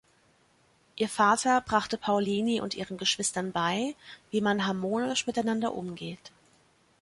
Ihr Vater brachte Paulini und ihren Geschwistern bei, wie man harmonisch miteinander umgeht.